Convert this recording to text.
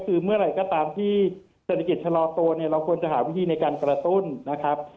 คือเมื่อไหร่ก็ตามที่เศรษฐกิจชะลอตัวเนี่ยเราควรจะหาวิธีในการกระตุ้นนะครับ